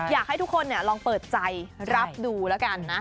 อยากให้ทุกคนลองเปิดใจรับดูแล้วกันนะ